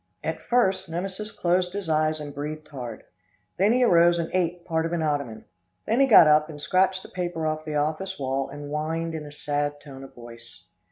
At first Nemesis closed his eyes and breathed hard, then he arose and ate part of an ottoman, then he got up and scratched the paper off the office wall and whined in a sad tone of voice.